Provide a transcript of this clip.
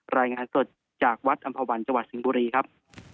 รายงานสดจากวัดอำภาวันจังหวัดสิงห์บุรีครับ